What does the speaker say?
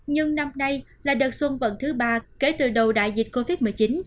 nhưng năm nay là đợt xuân vận thứ ba kể từ đầu đại dịch covid một mươi chín